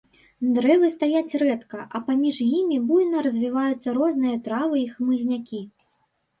Дрэвы стаяць рэдка, а паміж імі буйна развіваюцца розныя травы і хмызнякі.